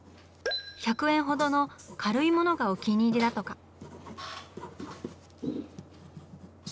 １００円ほどの軽いものがお気に入りだとか。